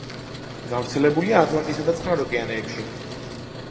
გავრცელებულია ატლანტისა და წყნარ ოკეანეებში.